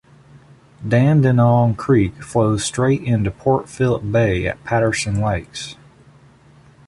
Dandenong Creek flows straight into Port Phillip Bay at Patterson Lakes.